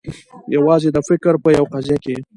یوازي د فکر په یوه قضیه کي